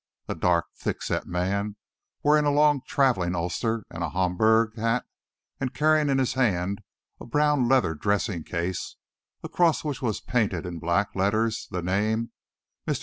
A dark, thick set man, wearing a long travelling ulster and a Homburg hat, and carrying in his hand a brown leather dressing case, across which was painted in black letters the name MR.